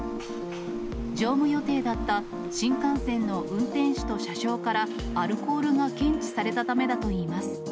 乗務予定だった新幹線の運転士と車掌からアルコールが検知されたためだといいます。